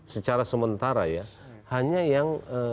secara sementara ya hanya yang